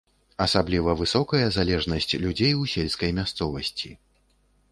Асабліва высокая залежнасць людзей у сельскай мясцовасці.